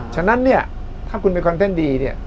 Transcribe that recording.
ฉะนั้นถ้าคุณมีคอนเทนต์ดี